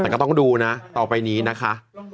แต่ก็ต้องดูนะต่อไปนี้นะคะ